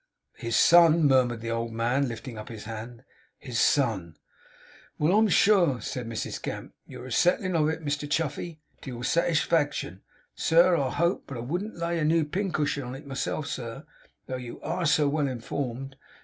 'His son,' murmured the old man, lifting up his hand. 'His son!' 'Well, I'm sure!' said Mrs Gamp, 'you're a settlin' of it, Mr Chuffey. To your satigefaction, sir, I hope. But I wouldn't lay a new pincushion on it myself, sir, though you ARE so well informed.